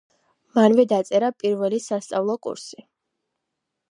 მანვე დაწერა პირველი სასწავლო კურსი.